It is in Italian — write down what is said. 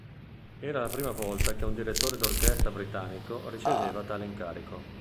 Era la prima volta che un direttore d'orchestra britannico riceveva tale incarico.